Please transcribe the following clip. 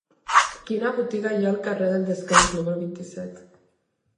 Quina botiga hi ha al carrer del Descans número vint-i-set?